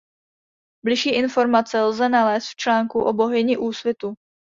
Bližší informace lze nalézt v článku o bohyni úsvitu.